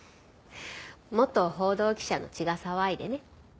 元報道記者の血が騒いでね。